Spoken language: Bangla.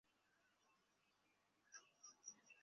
নজরুল কিছুদিন আগে আমার কাছে এসে জানিয়েছিল, তাকে মেরে ফেলা হবে।